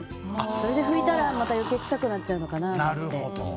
それで拭いたら、また余計に臭くなっちゃうかなと思って。